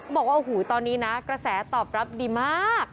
บอกว่าโอ้โหตอนนี้นะกระแสตอบรับดีมาก